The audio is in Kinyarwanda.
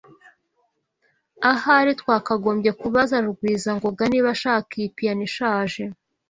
Ahari twakagombye kubaza Rugwizangoga niba ashaka iyi piyano ishaje.